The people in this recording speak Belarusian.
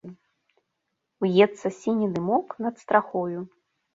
Уецца сіні дымок над страхою.